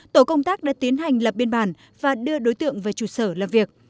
tổ công tác đã tiến hành lập biên bản và đưa đối tượng về trụ sở làm việc